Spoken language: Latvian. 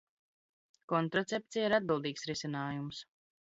Kontracepcija ir atbildīgs risinājums.